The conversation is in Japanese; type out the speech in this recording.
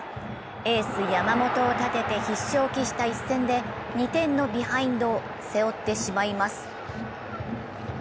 エース・山本を立てて必勝を期した一戦で２点のビハインドを背負ってしまいます。